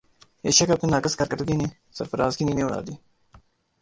Asia cup میں ناقص کارکردگی نے سرفراز کی نیندیں اڑا دیں